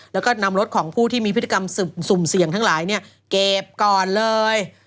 แล้วก็นำรถของผู้ที่มีพฤติกรรมสุ่มเสี่ยงทั้งหลายเก็บก่อนเลย